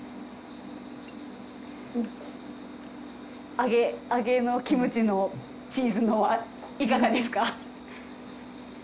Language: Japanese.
揚げ揚げのキムチのチーズのはいかがですか？